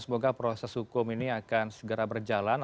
semoga proses hukum ini akan segera berjalan